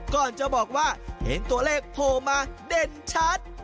ก่อนจะบอกว่าเห็นตัวเลขโผล่มาเด่นชัด